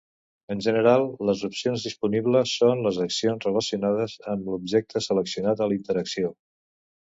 En general, les opcions disponibles són les accions relacionades amb l'objecte seleccionat a la interacció.